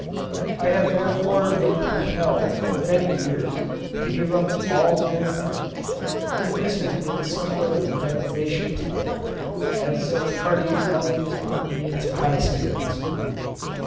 I have therefore been compelled for many years to give up all dinner parties; and this has been somewhat of a deprivation to me, as such parties always put me into high spirits.